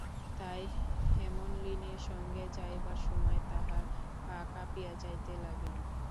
তাই হেমনলিনীর সঙ্গে যাইবার সময় তাহার পা কাঁপিয়া যাইতে লাগিল।